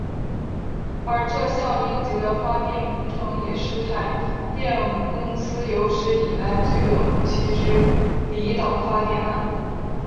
而这项应急的发电工程也是台电公司有史以来最短工期之离岛发电案。